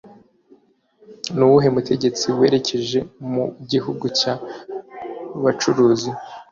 nuwuhe Mutegetsi werekeje mu gihugu cyabacuruzi